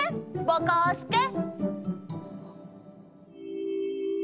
ぼこすけ。